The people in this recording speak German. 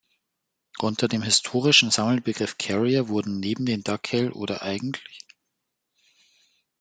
Unter dem historischen Sammelbegriff Carrier wurden neben den Dakelh oder "eigentl.